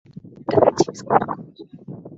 Nataka chipsi kuku